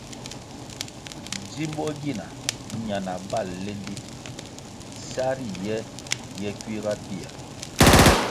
Djimbo gina ñana bal lendi sa riye ye kuiga pia.